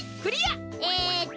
えっと